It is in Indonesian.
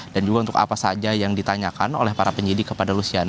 juga untuk apa saja yang ditanyakan oleh para penyidik kepada lusiana